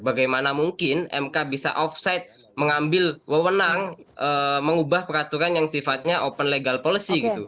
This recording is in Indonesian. bagaimana mungkin mk bisa off site mengambil wewenang mengubah peraturan yang sifatnya open legal policy gitu